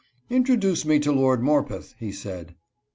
" Introduce me to Lord Morpeth," he said.